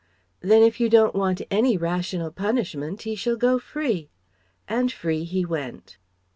"Then, if you don't want any rational punishment, he shall go free." And free he went.